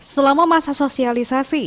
selama masa sosialisasi